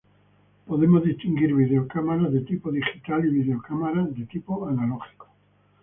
Podemos distinguir videocámaras de tipo digital y videocámaras de tipo analógico.